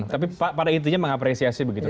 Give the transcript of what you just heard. tapi pada intinya mengapresiasi begitu ya